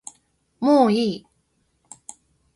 もういい